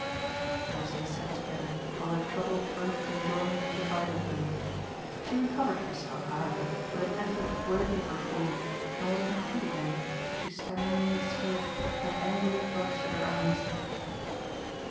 Thus they sat together while their trouble both conjoined and divided them. She recovered herself, however, with an effort worthy of her fall and was on her feet again as she stammeringly spoke and angrily brushed at her eyes.